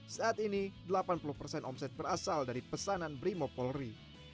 saat ini delapan puluh persen omset berasal dari pesanan brimo polri